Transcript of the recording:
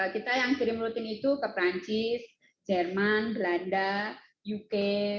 kita yang kirim rutin itu ke perancis jerman belanda uk